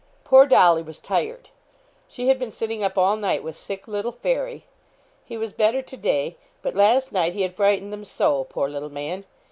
Poor Dolly was tired; she had been sitting up all night with sick little Fairy. He was better to day; but last night he had frightened them so, poor little man!